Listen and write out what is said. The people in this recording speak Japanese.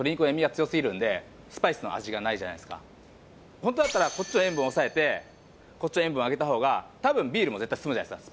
ホントだったらこっちの塩分抑えてこっちの塩分上げた方が多分ビールも絶対進むじゃないですか